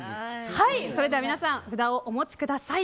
それでは皆さん札をお持ちください。